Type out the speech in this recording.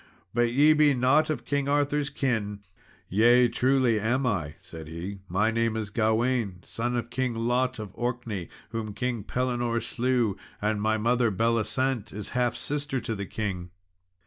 But ye be not of King Arthur's kin." "Yea, truly am I," said he; "my name is Gawain, son of King Lot of Orkney, whom King Pellinore slew and my mother, Belisent, is half sister to the king."